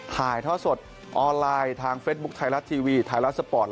ถ่ายท่อสดออนไลน์ทางเฟซบุ๊คไทยรัฐทีวีไทยรัฐสปอร์ต